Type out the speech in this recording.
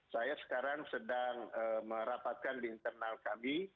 saya sekarang sedang merapatkan di internal kami